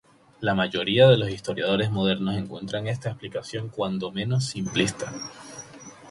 La mayoría de los historiadores modernos encuentran esta explicación cuando menos "simplista".